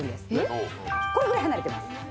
これぐらい離れてます。